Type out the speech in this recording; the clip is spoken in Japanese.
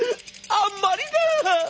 あんまりだ」。